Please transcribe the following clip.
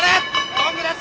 ゴングです